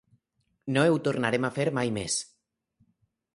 No ho tornarem a fer mai més.